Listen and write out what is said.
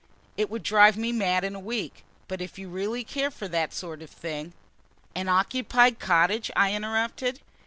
It would drive me mad in a week; but if you really care for that sort of thing " "An occupied cottage?" I interrupted.